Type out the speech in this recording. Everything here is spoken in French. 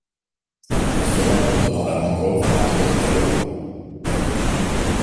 Elle se rencontre dans la mangrove à Acapetahua.